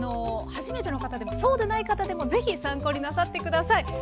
はじめての方でもそうでない方でも是非参考になさって下さい。